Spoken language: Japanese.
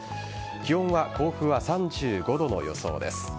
気温は甲府は３５度の予想です。